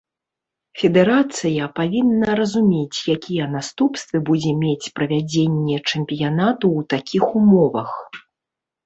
Федэрацыя павінна разумець, якія наступствы будзе мець правядзенне чэмпіянату ў такіх умовах.